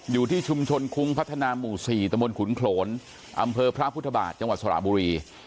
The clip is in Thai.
อยู่ที่ชุมชนคุ้งพัฒนาหมู่๔ตะบนขุนโขลนอำเภอพระพุทธบาทจังหวัดสระบุรี